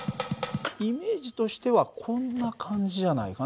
イメージとしてはこんな感じじゃないかな。